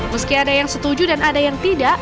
meski ada yang setuju dan ada yang tidak